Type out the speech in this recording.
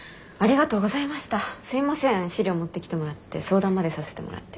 資料持ってきてもらって相談までさせてもらって。